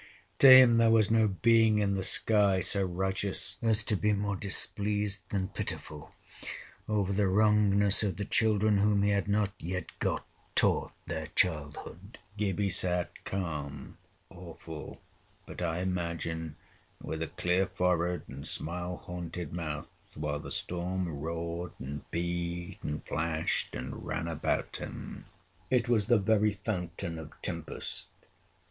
To him there was no being in the sky so righteous as to be more displeased than pitiful over the wrongness of the children whom he had not yet got taught their childhood. Gibbie sat calm, awe ful, but, I imagine, with a clear forehead and smile haunted mouth, while the storm roared and beat and flashed and ran about him. It was the very fountain of tempest.